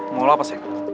mau lo apa sih